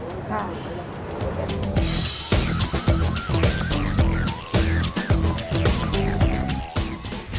โปรดติดตามตอนต่อไป